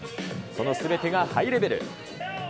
そのすべてがハイレベル。